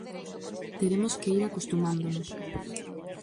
Teremos que ir acostumándonos.